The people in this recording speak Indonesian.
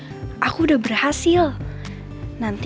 in dan semoga berhasil announcements